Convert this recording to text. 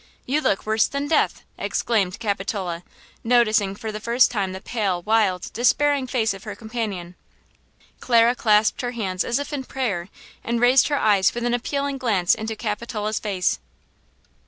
You look worse than death!" exclaimed Capitola, noticing for the first time the pale, wild, despairing face of her companion. Clara clasped her hands as if in prayer and raised her eyes with an appealing gaze into Capitola's face.